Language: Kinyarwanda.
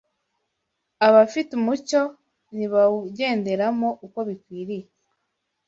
Abafite umucyo ntibawugenderemo uko bikwiriye